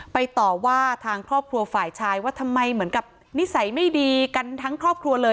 ต่อว่าทางครอบครัวฝ่ายชายว่าทำไมเหมือนกับนิสัยไม่ดีกันทั้งครอบครัวเลย